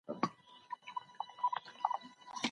د لاجوردو لاري افغانستان اروپا سره وصل کړ.